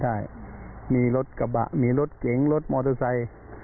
ใช่มีรถกระบะมีรถเก๋งรถมอเตอร์ไซค์